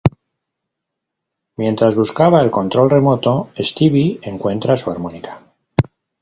Mientras buscaba el control remoto, Stewie encuentra su armónica.